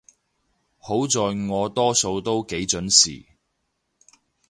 好在我多數都幾準時